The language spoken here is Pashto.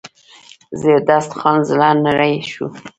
زبردست خان زړه نری شو.